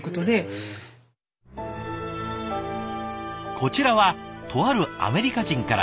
こちらはとあるアメリカ人から。